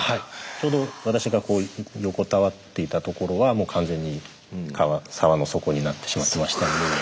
ちょうど私が横たわっていた所は完全に沢の底になってしまってましたんで。